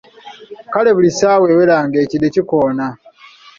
Kale buli ssaawa ewera ng’ekide kikoona.